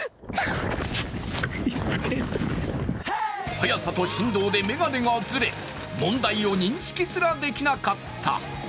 速さと震動で眼鏡がずれ、問題を認識すらできなかった。